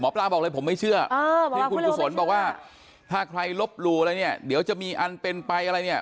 ปลาบอกเลยผมไม่เชื่อที่คุณกุศลบอกว่าถ้าใครลบหลู่อะไรเนี่ยเดี๋ยวจะมีอันเป็นไปอะไรเนี่ย